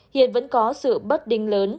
hiện vẫn có sự bất đinh lớn